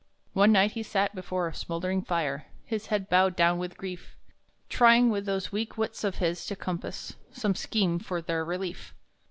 One night he sat before a smouldering fire, His head bowed down with grief, Trying with those weak wits of his to compass Some scheme for their relief.